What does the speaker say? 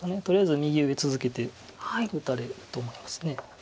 とりあえず右上続けて打たれると思います。